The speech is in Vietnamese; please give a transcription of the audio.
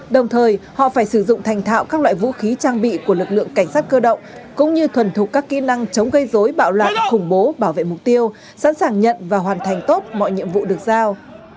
đồng thời họ phải sử dụng thành thạo các loại vũ khí trang bị của lực lượng cảnh sát cơ động cũng như thuần thục các kỹ năng chống gây dối bạo loạn khủng bố bảo vệ mục tiêu sẵn sàng nhận và hoàn thành tốt mọi nhiệm vụ được giao